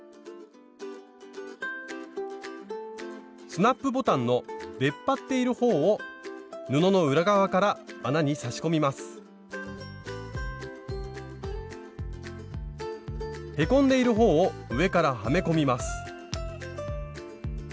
スナップボタンの出っ張っているほうを布の裏側から穴に差し込みますへこんでいるほうを上からはめ込みます